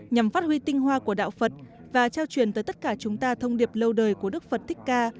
nhằm phát huy tinh hoa của đạo phật và trao truyền tới tất cả chúng ta thông điệp lâu đời của đức phật thích ca